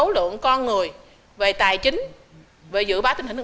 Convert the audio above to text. số lượng con người về tài chính về dự bá tình hình